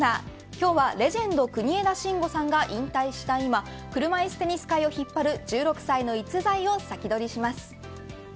今日は、レジェンド国枝慎吾さんが引退した今車いすテニス界を引っ張る１６歳の逸材をサキドリします。